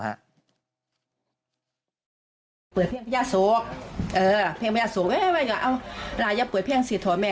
ว่าชั้นกำลังขึ้นมา